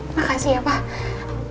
makasih ya pak